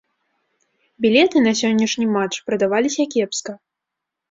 Білеты на сённяшні матч прадаваліся кепска.